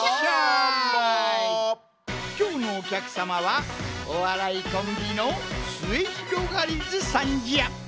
きょうのおきゃくさまはおわらいコンビのすゑひろがりずさんじゃ。